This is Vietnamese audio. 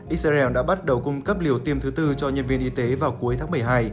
israel đã bắt đầu cung cấp liều tiêm thứ tư cho nhân viên y tế vào cuối tháng một mươi hai